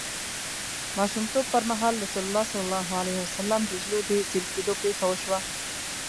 ماشومتوب پر مهال رسول الله ﷺ د زړه د څیری کیدو پېښه وشوه.